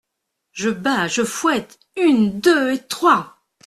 Je bats !… je fouette !… une, deux et trois !…